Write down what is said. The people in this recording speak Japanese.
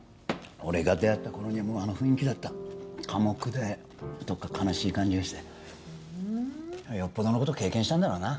俺が出会った頃にはもうあの雰囲気だった寡黙でどっか悲しい感じがしてふんよっぽどのこと経験したんだろうな